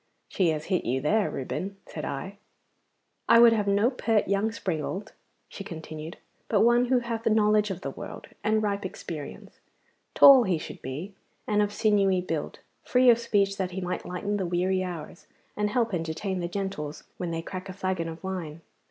'She has hit you there, Reuben,' said I. 'I would have no pert young springald,' she continued, 'but one who hath knowledge of the world, and ripe experience. Tall he should be, and of sinewy build, free of speech that he might lighten the weary hours, and help entertain the gentles when they crack a flagon of wine.